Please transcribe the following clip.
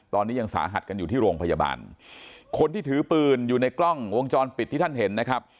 ตอนนี้ยังสาหัสกันอยู่ที่โรงพยาบาลคนที่ถือปืนอยู่ในกล้องวงจรปิดที่ท่านเห็นนะครับ